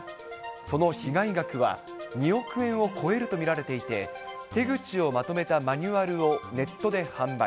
その被害額は２億円を超えると見られていて、手口をまとめたマニュアルをネットで販売。